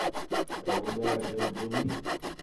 A win iɛebbden ddunit.